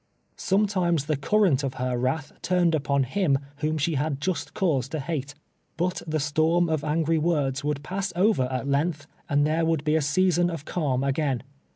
Sometimes the current of her wrath turned upon him whom she had jus.t cause to hate. But the storm of angry words would pass over at length, and there would be a season of calm again.